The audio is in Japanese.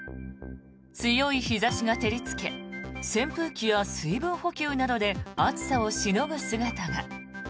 強い日差しが照りつけ扇風機や水分補給などで暑さをしのぐ姿が。